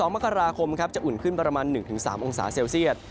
๒มกราคมจะอุ่นขึ้นประมาณ๑๓องศาเซลเซียต